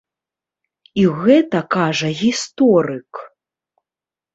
І гэта кажа гісторык.